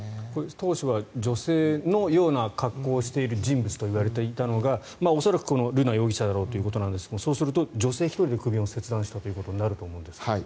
当初は女性のような格好をしている人物といわれていたのが恐らく瑠奈容疑者だろうということですがそうすると女性１人で首を切断したということになると思いますが。